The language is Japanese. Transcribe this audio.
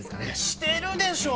してるでしょ！